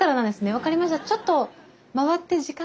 分かりました。